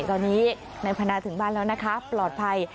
ตอนนี้นายพนาถึงบ้านแล้วนะคะปลอดภัย